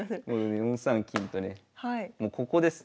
４三金とねもうここです。